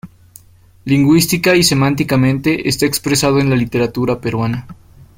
Lingüística y semánticamente está expresado en la literatura peruana.